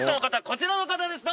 こちらの方です